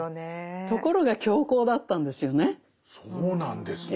ところが強行だったんですよね。